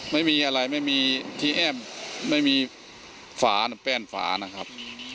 ไม่มีอะไรไม่มีที่แอ้มไม่มีฝาแป้นฝานะครับ